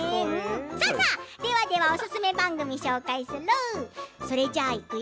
おすすめ番組を紹介するよ。